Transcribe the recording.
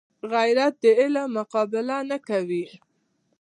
غیرت د علم مقابله نه کوي